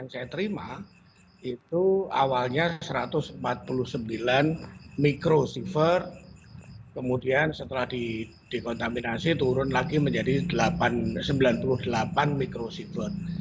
saya terima itu awalnya satu ratus empat puluh sembilan mikrosiver kemudian setelah dikontaminasi turun lagi menjadi sembilan puluh delapan mikrosiver